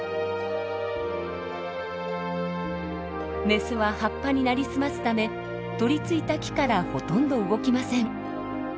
メスは葉っぱに成り済ますため取りついた木からほとんど動きません。